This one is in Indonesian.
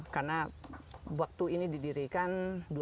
karena waktu ini didirikan dua ribu lima